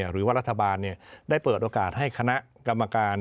หรือว่ารัฐบาลได้เปิดโอกาสให้คณะกรรมการ